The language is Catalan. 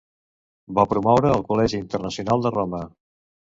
Va promoure el Col·legi Internacional de Roma.